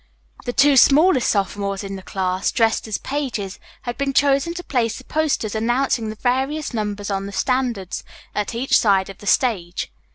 The two smallest sophomores in the class, dressed as pages, had been chosen to place the posters announcing the various numbers on the standards at each side of the stage.